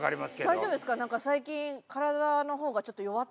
大丈夫ですか？